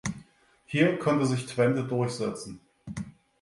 Hier konnte sich Twente durchsetzen.